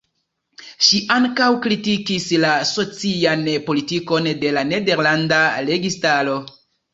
Ŝi ankaŭ kritikis la socian politikon de la nederlanda registaro.